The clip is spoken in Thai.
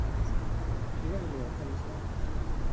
อำนาจเหนือธรรมชาติ